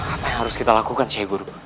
apa yang harus kita lakukan syekh guru